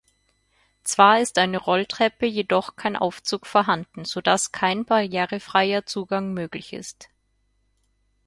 Zwar ist eine Rolltreppe, jedoch kein Aufzug vorhanden, sodass kein barrierefreier Zugang möglich ist.